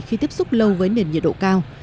khi tiếp xúc lâu với nền nhiệt độ cao